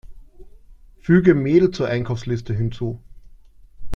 Füge Mehl zur Einkaufsliste hinzu!